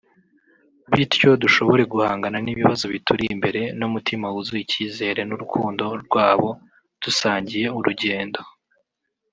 bityo dushobore guhangana n’ibibazo bituri imbere n’umutima wuzuye icyizere n’urukundo rwabo dusangiye urugendo